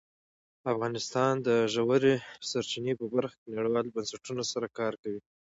افغانستان د ژورې سرچینې په برخه کې نړیوالو بنسټونو سره کار کوي.